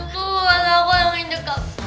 nggak aku aku yang injek kamu